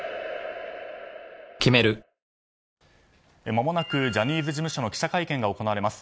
まもなくジャニーズ事務所の記者会見が行われます。